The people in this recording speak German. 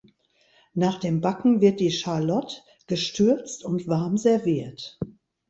Nach dem Backen wird die Charlotte gestürzt und warm serviert.